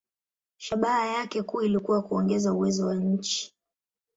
Shabaha yake kuu ilikuwa kuongeza uwezo wa nchi.